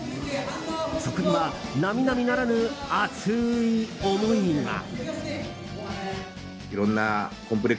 そこには並々ならぬ熱い思いが。